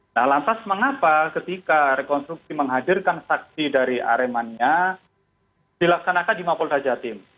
nah lantas mengapa ketika rekonstruksi menghadirkan saksi dari aremania dilaksanakan di mapolda jatim